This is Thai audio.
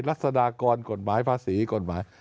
รัศดากรกฎหมายภาษีกฎหมาย